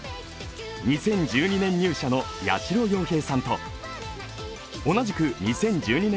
２０１２年入社の屋代陽平さんと同じく２０１２年